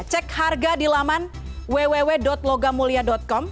cek harga di laman www logamulia com